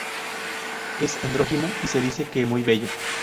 Es andrógino y se dice que muy bello.